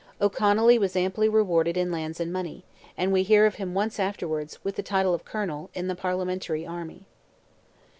O'Connolly was amply rewarded in lands and money; and we hear of him once afterwards, with the title of Colonel, in the Parliamentary army.